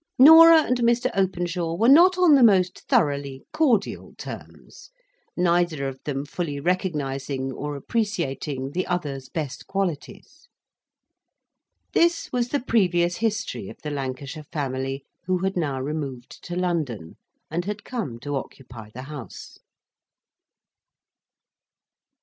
Norah and Mr. Openshaw were not on the most thoroughly cordial terms; neither of them fully recognising or appreciating the other's best qualities. This was the previous history of the Lancashire family who had now removed to London, and had come to occupy the House.